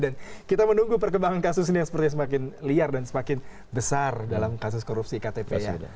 dan kita menunggu perkembangan kasus ini yang semakin liar dan semakin besar dalam kasus korupsi ktp